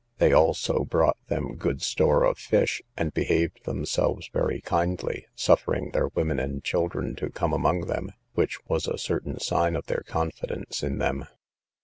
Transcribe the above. They also brought them good store of fish, and behaved themselves very kindly, suffering their women and children to come among them, which was a certain sign of their confidence in them.